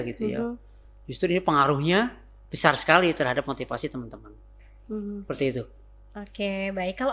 gitu ya justru ini pengaruhnya besar sekali terhadap motivasi teman teman seperti itu oke baik kalau